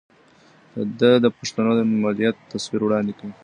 ده د پښتنو د مليت تصور وړاندې کړ